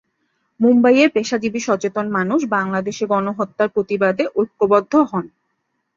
মুম্বাইয়ের পেশাজীবী সচেতন মানুষ বাংলাদেশে গণহত্যার প্রতিবাদে ঐক্যবদ্ধ হন।